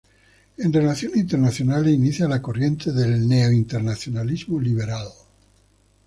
En relaciones internacionales inicia la corriente del "Neo internacionalismo liberal".